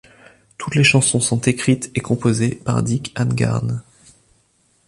Toutes les chansons sont écrites et composées par Dick Annegarn.